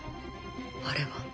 あれは。